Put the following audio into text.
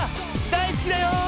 大好きだよ！